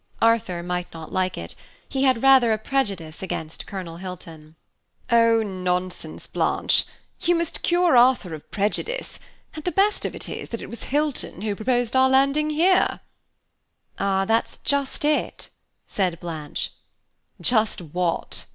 Arthur might not like it, he had rather a prejudice against Colonel Hilton. "Oh, nonsense, Blanche! you must cure Arthur of prejudice; and the best of it is that it was Hilton who proposed our landing here." "Ah! that's just it," said Blanche. "Just what?"